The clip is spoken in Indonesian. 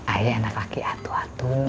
ayah anak laki atu atun